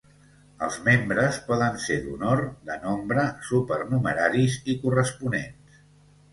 Els membres poden ser d'honor, de nombre, supernumeraris i corresponents.